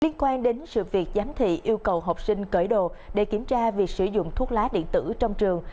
liên quan đến sự việc giám thị yêu cầu học sinh cởi đồ để kiểm tra việc sử dụng thuốc lá điện tử trong trường